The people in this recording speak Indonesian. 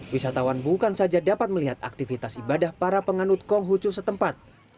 wisatawan bukan saja dapat melihat aktivitas ibadah para penganut konghucu setempat